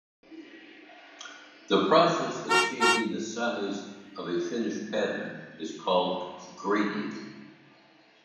The process of changing the size of a finished pattern is called grading.